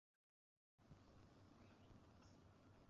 এত মানুষ মারার পর কিভাবে তুই পুলিশ হতে পারবি?